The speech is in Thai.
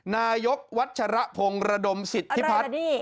นายกวัชรพงศ์ระดมสิทธิพัฒน์